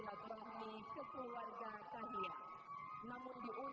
namun diundur sampai bulan empat